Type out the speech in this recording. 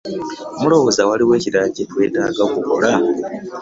Mulowooza waliwo ekirala kye twetaaga okukola?